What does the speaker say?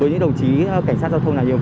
với những đồng chí cảnh sát giao thông này